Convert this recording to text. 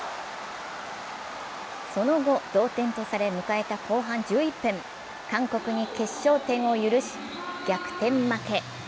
その後、同点とされ迎えた後半１１分、韓国に決勝点を許し逆転負け。